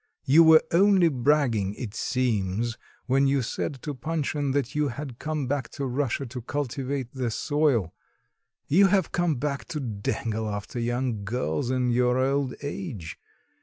You were only bragging it seems when you said to Panshin that you had come back to Russia to cultivate the soil; you have come back to dangle after young girls in your old age.